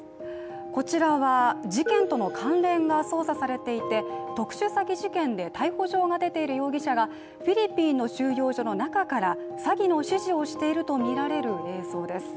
こちらは事件との関連が捜査されていて特殊詐欺事件で逮捕状が出ている容疑者がフィリピンの収容所の中から詐欺の指示をしているとみられる映像です。